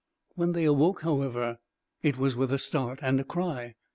When they awoke, however, it was with a start and a cry.